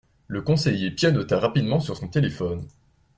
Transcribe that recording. Le conseiller pianota rapidement sur son téléphone.